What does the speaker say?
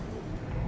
aku sudah berjalan